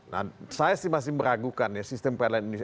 nah saya sih masih meragukan ya sistem pln ini